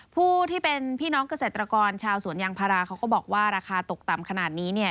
ผู้ที่เป็นพี่น้องเกษตรกรชาวสวนยางพาราเขาก็บอกว่าราคาตกต่ำขนาดนี้เนี่ย